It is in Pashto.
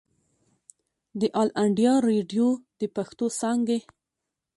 د آل انډيا ريډيو د پښتو څانګې